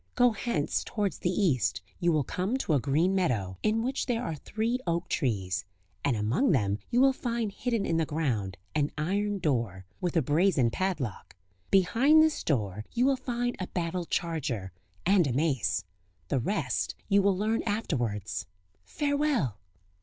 Go hence towards the East; you will come to a green meadow, in which there are three oak trees; and among them you will find hidden in the ground an iron door, with a brazen padlock; behind this door you will find a battle charger, and a mace; the rest you will learn afterwards; ... farewell!"